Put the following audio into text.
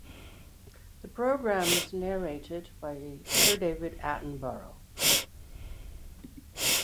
The programme is narrated by Sir David Attenborough.